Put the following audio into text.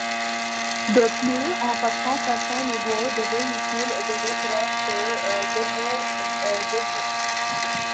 De plus, en passant certains niveaux, des véhicules et des épreuves se déverrouillent.